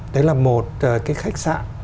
đấy là một cái khách sạn